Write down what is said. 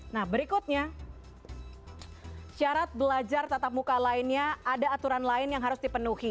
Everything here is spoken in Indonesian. nah berikutnya syarat belajar tatap muka lainnya ada aturan lain yang harus dipenuhi